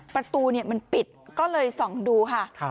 ประตูมันปิดก็เลยส่องดูค่ะ